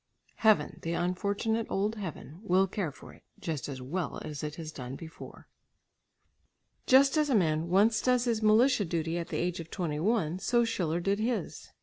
Heaven, the unfortunate old heaven will care for it, just as well as it has done before. Just as a man once does his militia duty at the age of twenty one, so Schiller did his.